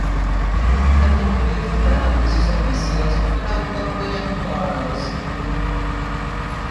Entre los que disfrutaron de sus servicios fue el autor William Burroughs.